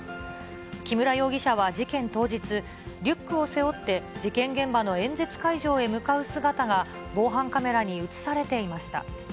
木村容疑者は事件当日、リックを背負って事件現場の演説会場へ向かう姿が、防犯カメラに写されていました。